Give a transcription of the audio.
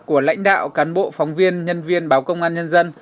của lãnh đạo cán bộ phóng viên nhân viên báo công an nhân dân